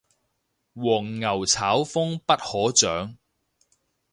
黃牛炒風不可長